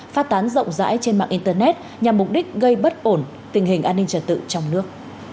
phát tán rộng rãi trên mạng internet nhằm mục đích gây bất ổn tình hình an ninh trật tự trong nước